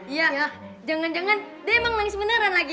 iya jangan jangan dia emang nangis beneran lagi